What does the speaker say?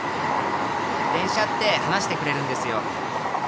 電車って話してくれるんですよ。